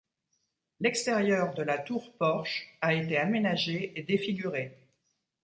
L'extérieur de la tour-porche a été aménagé et défiguré.